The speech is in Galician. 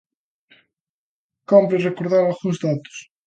Cómpre recordar algúns datos.